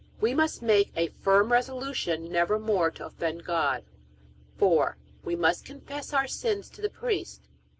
We must make a firm resolution never more to offend God. 4. We must confess our sins to the priest.